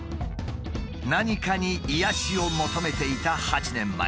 何かに癒やしを求めていた８年前。